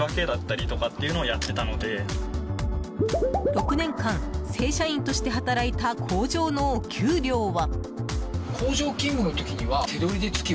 ６年間、正社員として働いた工場のお給料は。